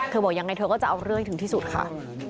บอกยังไงเธอก็จะเอาเรื่องให้ถึงที่สุดค่ะ